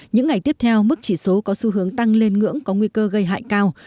những ngày tiếp theo mức chỉ số có xu hướng tăng lên ngưỡng có nguy cơ gây hại cao